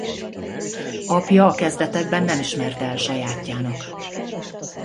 Apja a kezdetekben nem ismerte el sajátjának.